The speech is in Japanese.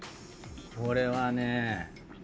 これはね。